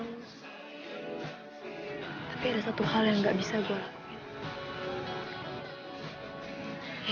lu tapi ada satu hal yang nggak bisa gua lakukan